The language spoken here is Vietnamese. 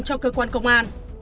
cho cơ quan công an